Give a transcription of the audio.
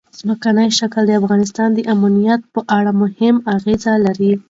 ځمکنی شکل د افغانستان د امنیت په اړه هم اغېز لري.